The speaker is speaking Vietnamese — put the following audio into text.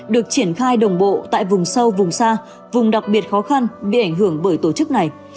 được triển khai đồng bộ tại vùng sâu vùng xa vùng đặc biệt khó khăn bị ảnh hưởng bởi tổ chức này